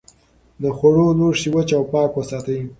د خوړو لوښي وچ او پاک وساتئ.